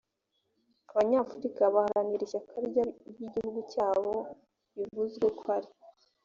abanyafurika baharanira ishyaka ry igihugu cyabo bivuze ko ari